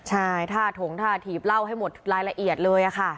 ใช่ท่าถงท่าถีบเล่าให้หมดรายละเอียดเลยค่ะ